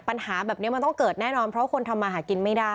ปัญหาแบบนี้มันต้องเกิดแน่นอนเพราะคนทำมาหากินไม่ได้